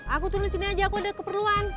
aku turun sini aja aku udah keperluan